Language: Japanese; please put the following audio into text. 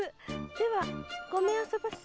ではごめんあそばせ。